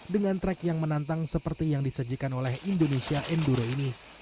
dengan track yang menantang seperti yang disajikan oleh indonesia enduro ini